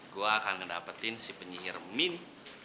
gue akan ngedapetin si penyihir mini